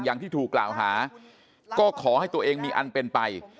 อย่างที่ถูกกล่าวหาก็ขอให้ตัวเองมีอันเป็นไป